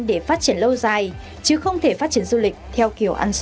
để phát triển lâu dài chứ không thể phát triển du lịch theo kiểu ăn sổi